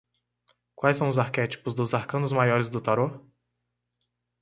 Quais são os arquétipos dos arcanos maiores do Tarô?